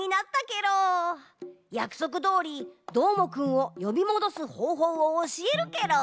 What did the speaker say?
やくそくどおりどーもくんをよびもどすほうほうをおしえるケロ。